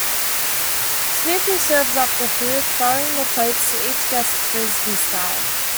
Snoopy serves up the food, throwing the plates to each guest Frisbee-style.